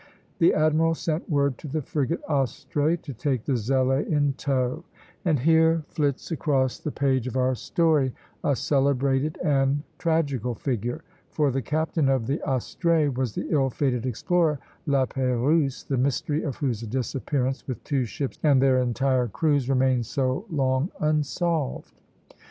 The admiral sent word to the frigate "Astrée" to take the "Zélé" in tow; and here flits across the page of our story a celebrated and tragical figure, for the captain of the "Astrée" was the ill fated explorer Lapeyrouse, the mystery of whose disappearance with two ships and their entire crews remained so long unsolved.